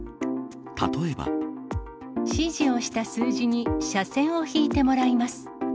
例えば。指示をした数字に斜線を引いてもらいます。